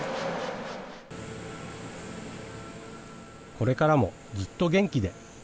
これからもずっと元気で。